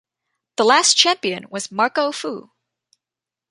The last champion was Marco Fu.